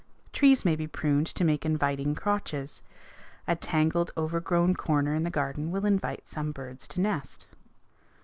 Trees may be pruned to make inviting crotches. A tangled, overgrown corner in the garden will invite some birds to nest.